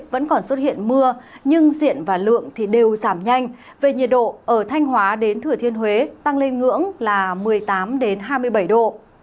vẫn còn xuất hiện mưa nhưng diện và lượng thì đều giảm nhanh về nhiệt độ ở thanh hóa đến thừa thiên huế tăng lên ngưỡng là một mươi tám hai mươi bảy độ